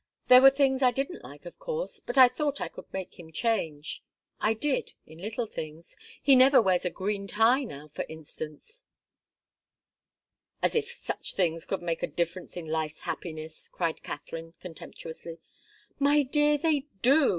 There were things I didn't like, of course; but I thought I could make him change. I did in little things. He never wears a green tie now, for instance " "As if such things could make a difference in life's happiness!" cried Katharine, contemptuously. "My dear they do.